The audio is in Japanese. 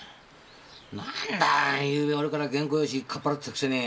何だ昨夜俺から原稿用紙かっぱらってったくせに！